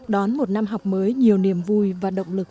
đón một năm học mới nhiều niềm vui và động lực